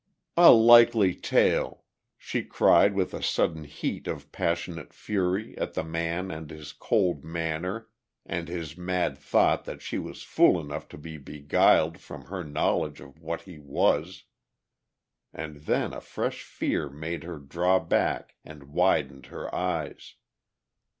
"A likely tale!" she cried with a sudden heat of passionate fury at the man and his cold manner and his mad thought that she was fool enough to be beguiled from her knowledge of what he was. And then a fresh fear made her draw back and widened her eyes.